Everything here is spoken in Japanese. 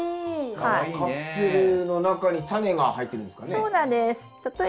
カプセルの中にタネが入ってるんですかね。